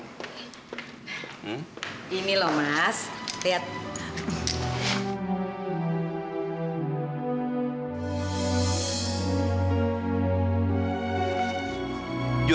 masih bikin korban kembali kawannya